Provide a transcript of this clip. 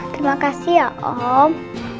terima kasih ya om